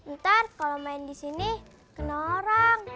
ntar kalau main di sini kena orang